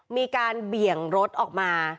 มีการเบี่ยงรถออกมา